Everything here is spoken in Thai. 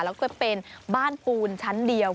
แล้วก็เป็นบ้านปูนชั้นเดียว